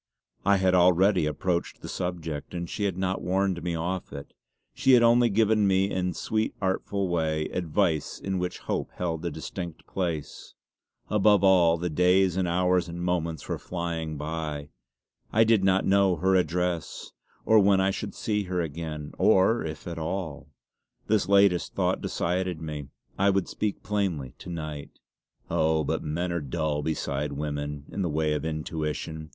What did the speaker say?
I had already approached the subject, and she had not warned me off it; she had only given me in a sweetly artful way advice in which hope held a distinct place. Above all, the days and hours and moments were flying by. I did not know her address or when I should see her again, or if at all. This latest thought decided me. I would speak plainly to night. Oh, but men are dull beside women in the way of intuition.